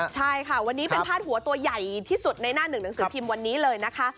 ใช่ค่ะวันนี้เป็นพาดหัวตัวใหญ่ที่สุดในหน้าหนึ่งหนังสือพิมพ์วันนี้เลยนะคะ